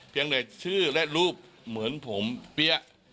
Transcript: เพียงเหนือชื่อและรูปเหมือนผมเปี้ย